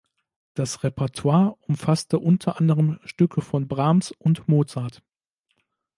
Das Repertoire umfasste unter anderem Stücke von Brahms und Mozart.